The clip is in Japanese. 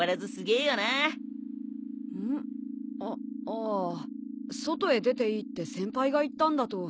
あああ外へ出ていいって先輩が言ったんだと。